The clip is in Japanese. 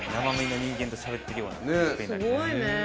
すごいね。